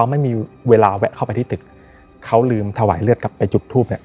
ไปเข้าไปที่ตึกเขาลืมถวายเลือดกลับไปจุบทูบเนี่ย